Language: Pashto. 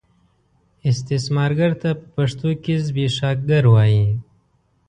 استثمارګر ته په پښتو کې زبېښاکګر وايي.